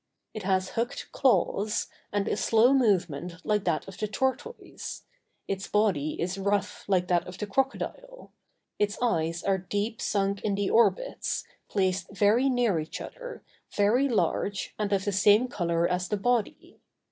It has hooked claws, and a slow movement like that of the tortoise; its body is rough like that of the crocodile; its eyes are deep sunk in the orbits, placed very near each other, very large, and of the same color as the body.